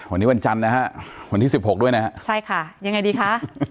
วันนี้วันจันทร์นะฮะวันที่สิบหกด้วยนะฮะใช่ค่ะยังไงดีคะ